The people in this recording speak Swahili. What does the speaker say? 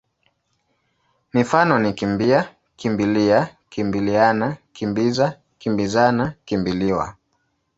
Mifano ni kimbi-a, kimbi-lia, kimbili-ana, kimbi-za, kimbi-zana, kimbi-liwa.